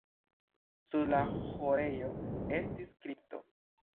Sub la ĥorejo estis kripto.